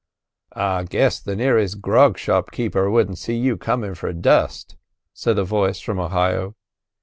"I guess the nearest grog shop keeper wouldn't see you comin' for dust," said a voice from Ohio.